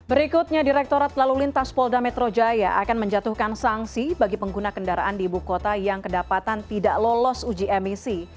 berikutnya direktorat lalu lintas polda metro jaya akan menjatuhkan sanksi bagi pengguna kendaraan di ibu kota yang kedapatan tidak lolos uji emisi